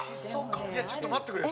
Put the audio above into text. ちょっと待ってくれよ。